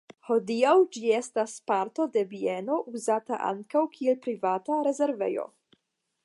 Hodiaŭ ĝi estas parto de bieno uzata ankaŭ kiel privata rezervejo.